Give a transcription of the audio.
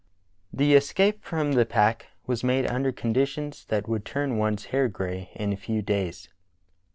The escape from the pack was made under conditions that would turn one's hair gray in a few days.